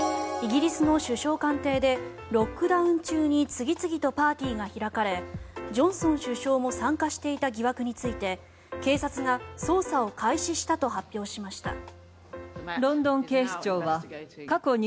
イギリスの首相官邸でロックダウン中に次々とパーティーが開かれジョンソン首相も参加していた疑惑について警察が捜査を開始したと発表しました。